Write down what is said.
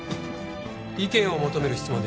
意見を求める質問です